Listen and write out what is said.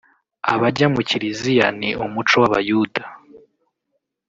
abajya mu kiriziya ni umuco w’Abayuda